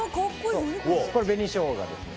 これ、紅しょうがですね。